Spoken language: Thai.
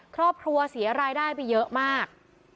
ครอบครัวเสียรายได้ไปเยอะมาก